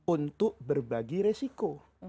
untuk berbagi resiko